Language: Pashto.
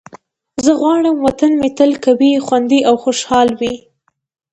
زه غواړم وطن مې تل قوي، خوندي او خوشحال وي.